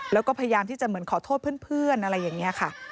และก็ก็พยายามที่จะเหมือนขอโทษเพื่อนนะคะ